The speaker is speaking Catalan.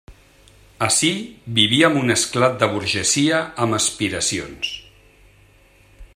Ací vivíem un esclat de burgesia amb aspiracions.